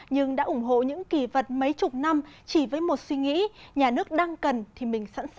nhưng đã ủng hộ những kỳ vật mấy chục năm